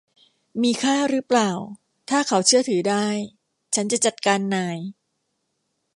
มีค่ารึเปล่า ถ้าเขาเชื่อถือได้ ฉันจะจัดการนาย